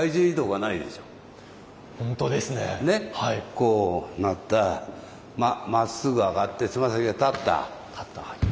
こうなったまっすぐ上がってつま先が立った。